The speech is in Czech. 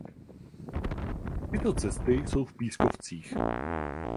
Tyto cesty jsou v pískovcích.